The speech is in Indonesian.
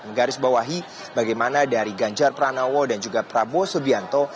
menggarisbawahi bagaimana dari ganjar pranowo dan juga prabowo subianto